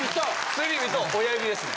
薬指と親指ですね。